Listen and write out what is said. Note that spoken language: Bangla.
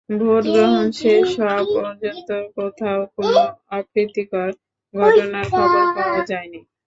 ভোট গ্রহণ শেষ হওয়া পর্যন্ত কোথাও কোনো অপ্রীতিকর ঘটনার খবর পাওয়া যায়নি।